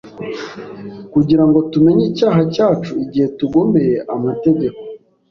kugira ngo tumenye icyaha cyacu igihe tugomeye amategeko